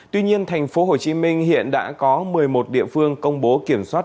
tuy nhiên thành phố hồ chí minh hiện đã có một mươi một địa phương công bố kiểm soát